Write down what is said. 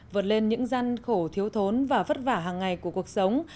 vượt lên những gian khổ thiếu thốn và vất vả hàng ngày của cuộc sống